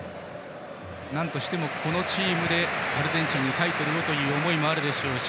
なんとしてもこのチームでアルゼンチンにタイトルをという思いもあるでしょうし